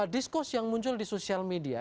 diskus yang muncul di sosial media